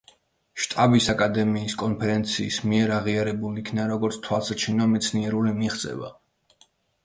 შტაბის აკადემიის კონფერენციის მიერ აღიარებულ იქნა როგორც თვალსაჩინო მეცნიერული მიღწევა.